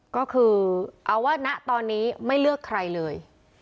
ก็คือเอาว่าณตอนนี้ไม่เลือกใครเลย